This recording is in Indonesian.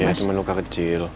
cuma luka kecil